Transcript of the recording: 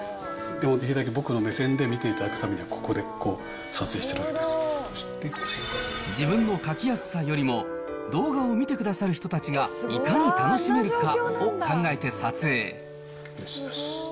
でもできるだけ僕の目線で見ていただくためにはここでこう、自分の描きやすさよりも、動画を見てくださる人たちがいかに楽しめるかを考えて撮影。